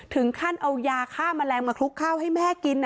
ถึงขั้นเอายาฆ่าแมลงมาคลุกข้าวให้แม่กิน